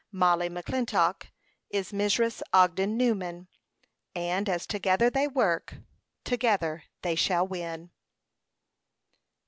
Mollie McClintock is Mrs. Ogden Newman; and as together they work, together they shall win.